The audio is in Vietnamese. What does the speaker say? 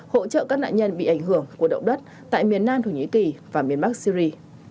hỗ trợ các nạn nhân bị ảnh hưởng của động đất tại miền nam thổ nhĩ kỳ và miền bắc syri